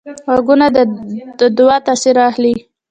غوږونه د دعا تاثیر اخلي